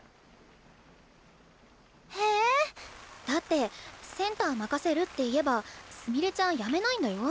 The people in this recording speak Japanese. ええ⁉だってセンター任せるって言えばすみれちゃんやめないんだよ？